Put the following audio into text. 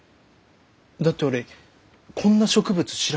だって俺こんな植物知らない。